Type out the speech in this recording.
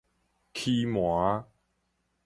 欺瞞